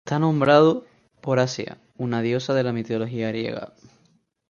Está nombrado por Asia, una diosa de la mitología griega.